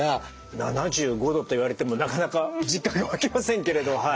７５度と言われてもなかなか実感が湧きませんけれど。